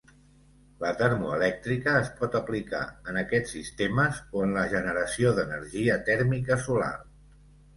La termoelèctrica es pot aplicar en aquests sistemes o en la generació d'energia tèrmica solar.